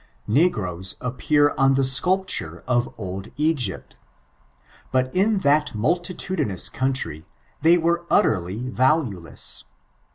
Negroes appear on tiie acapltiire of eld Egypt Bat in that maltitadinoaa country tibey were ntteriy vaftnelesa.